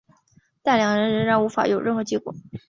但两人仍然无法有任何结果。